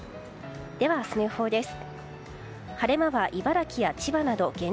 では明日の予報です。